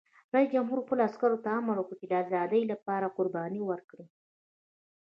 رئیس جمهور خپلو عسکرو ته امر وکړ؛ د ازادۍ لپاره قرباني ورکړئ!